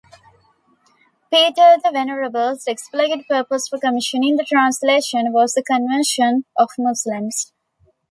Peter the Venerable's explicit purpose for commissioning the translation was the conversion of Muslims.